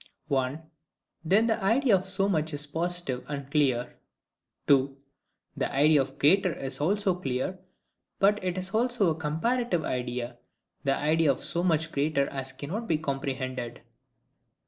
1. Then the idea of SO MUCH is positive and clear. 2. The idea of GREATER is also clear; but it is but a comparative idea, the idea of SO MUCH GREATER AS CANNOT BE COMPREHENDED.